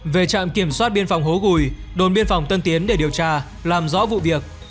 về trạm kiểm soát biên phòng hố gùi đồn biên phòng tân tiến để điều tra làm rõ vụ việc